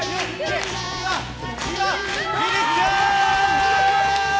今、フィニッシュ！